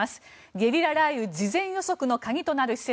ゲリラ雷雨事前予測の鍵となる施設。